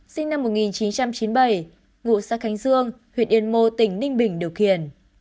sinh năm một nghìn chín trăm chín mươi bảy ngụ xã khánh dương huyện yên mô tỉnh ninh bình điều khiển